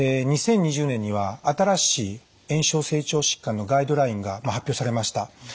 で２０２０年には新しい炎症性腸疾患のガイドラインが発表されました。